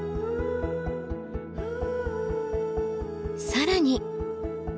更に。